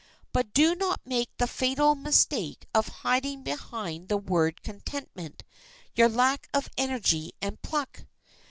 But do not make the fatal mistake of hiding behind the word contentment your lack of energy and pluck.